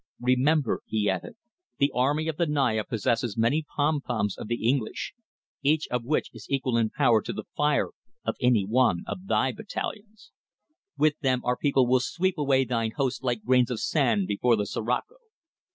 Remember," he added, "the army of the Naya possesses many pom poms[A] of the English, each of which is equal in power to the fire of one of thy battalions. With them our people will sweep away thine hosts like grains of sand before the sirocco."